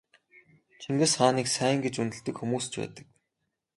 Чингис хааныг сайн гэж үнэлдэг хүмүүс ч байдаг.